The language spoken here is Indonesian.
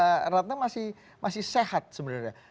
ini kita rata masih masih sehat sebenarnya